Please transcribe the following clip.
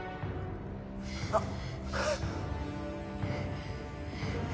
あっ！